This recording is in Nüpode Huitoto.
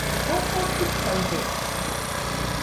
Jofo tɨkaɨde